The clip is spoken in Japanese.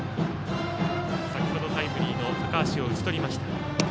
先程タイムリーの高橋を打ち取りました。